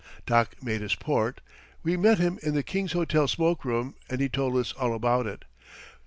Doc made his port. We met him in the King's Hotel smoke room, and he told us all about it.